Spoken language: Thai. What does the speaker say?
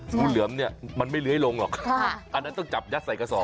งูเหลือมเนี่ยมันไม่เลื้อยลงหรอกอันนั้นต้องจับยัดใส่กระสอบ